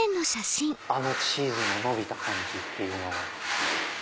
あのチーズののびた感じっていうのは。